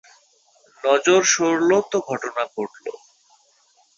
নজর সরলো তো ঘটনা ঘটল!